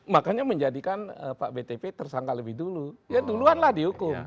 makanya menjadikan pak btp tersangka lebih dulu ya duluan lah dihukum